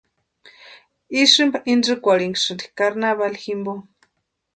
Isïmpa intsikurhinhasïnti carnavali jimpo.